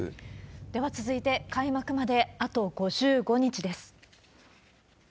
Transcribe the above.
では続いて、開幕まであと５５日です。